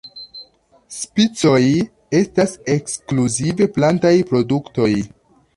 Spicoj estas ekskluzive plantaj produktoj.